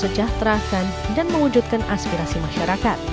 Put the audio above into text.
sejahterakan dan mewujudkan aspirasi masyarakat